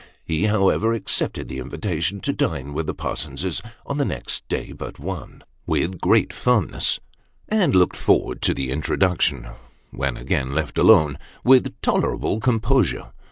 He, however, accepted the invitation to dine with the Parsonses on the next day but one, with great firmness; and looked forward to the introduction, when again left alone, with tolerable composure.